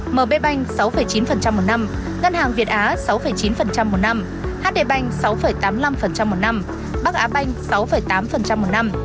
mb bank sáu chín một năm ngân hàng việt á sáu chín một năm hd bank sáu tám mươi năm một năm bắc á banh sáu tám một năm